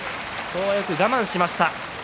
今日は、よく我慢しました。